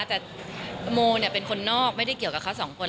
แต่โมเป็นคนนอกไม่ได้เกี่ยวกับเขาสองคน